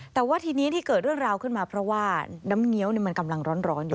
แต่ว่าทีนี้ที่เกิดเรื่องราวขึ้นมาเพราะว่าน้ำเงี้ยวมันกำลังร้อนอยู่